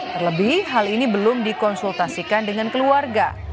terlebih hal ini belum dikonsultasikan dengan keluarga